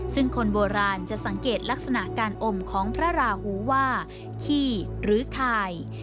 ซึ่งคนโบราณจะสังเกตลักษณะการอมของพระราหูว่าขี้หรือคาย